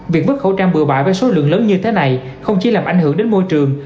việc vứt khẩu trang bựa bại với số lượng lớn như thế này không chỉ làm ảnh hưởng đến môi trường